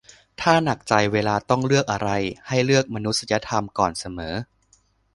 "ถ้าหนักใจเวลาต้องเลือกอะไร ให้เลือกมนุษยธรรมก่อนเสมอ"